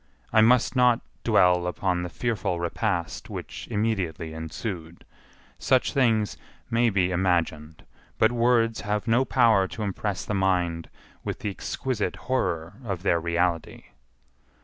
I must not dwell upon the fearful repast which immediately ensued. Such things may be imagined, but words have no power to impress the mind with the exquisite horror of their reality.